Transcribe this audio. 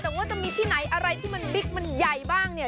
แต่ว่าจะมีที่ไหนอะไรที่มันบิ๊กมันใหญ่บ้างเนี่ย